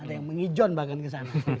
ada yang mengijon bahkan kesana